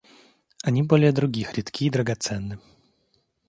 Они более других редки и драгоценны.